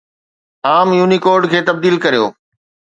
عام يونيڪوڊ کي تبديل ڪريو